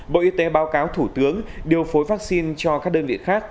bộ y tế báo cáo thủ tướng điều phối vaccine cho các đơn vị khác